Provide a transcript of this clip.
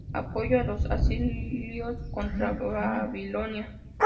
Apoyó a los asirios contra Babilonia.